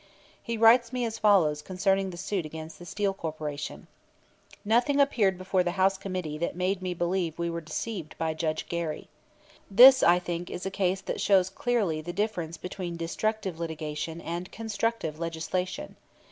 He writes me as follows concerning the suit against the Steel Corporation: "Nothing appeared before the House Committee that made me believe we were deceived by Judge Gary. "This, I think, is a case that shows clearly the difference between destructive litigation and constructive legislation.